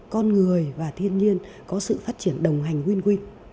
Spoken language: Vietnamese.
con người và thiên nhiên có sự phát triển đồng hành nguyên quy